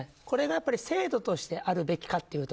これが制度としてあるべきかと。